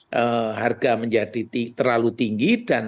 sehingga harga menjadi terlalu tinggi